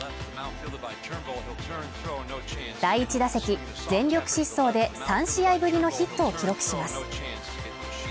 第１打席、全力疾走で３試合ぶりのヒットを記録します。